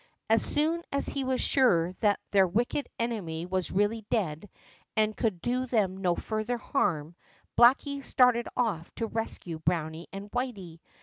As soon as he was sure that their wicked enemy was really dead and could do them no further harm, Blacky started off to rescue Browny and Whity.